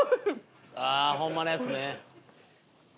ああーホンマのやつね。